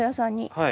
はい。